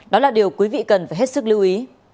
đó là điều quý vị cần phải hết sức lưu ý